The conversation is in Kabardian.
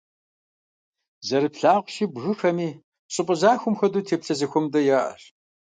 Зэрыплъагъущи, бгыхэми, щӀыпӀэ захуэм хуэдэу, теплъэ зэхуэмыдэ яӀэщ.